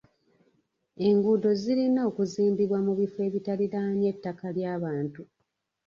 Enguudo zirina okuzimbibwa mu bifo ebitariraanye ttaka lya bantu.